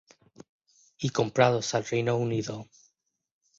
I comprados al Reino Unido.